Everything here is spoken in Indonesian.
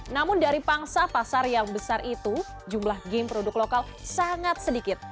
namun dari pangsa pasar yang besar itu jumlah game produk lokal sangat sedikit